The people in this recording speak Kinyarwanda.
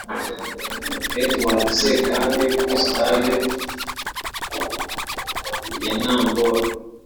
Edward Ssekandi kuri sitade ya Namboole